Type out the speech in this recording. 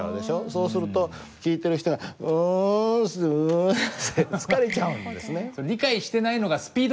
そうすると聞いてる人がうんってうん出ちゃってるんですね。